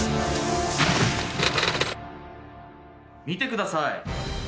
見てください！